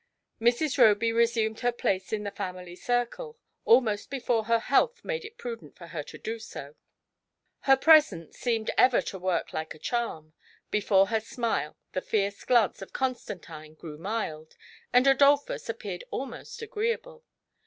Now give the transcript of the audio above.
Mrs. Roby resumed her place in the family circle almost before her health made it prudent for her to do so. Her presence seemed ever to work like a charm; before her smile the fierce glance of Constantine grew mild, and Adolphus appeared almost agreeable.